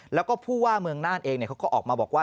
แล้วก็ผู้ว่าเมืองน่านเองเขาก็ออกมาบอกว่า